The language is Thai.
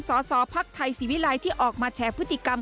การสอภักดิ์ไทยสิวิไลน์ที่ออกมาแชร์พฤติกรรม